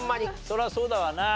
そりゃそうだわな。